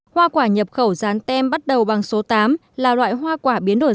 hoa quả nhập khẩu rán tem bắt đầu bằng số tám là loại hoa quả biến đổi